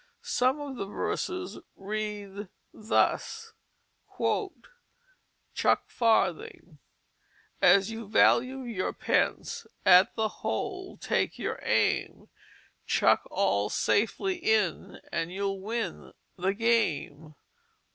Some of the verses read thus: "CHUCK FARTHING "As you value your Pence At the Hole take your Aim. Chuck all safely in, And You'll win the Game.